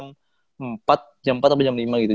memang kan harusnya itu udah jadi salah satu faktor ya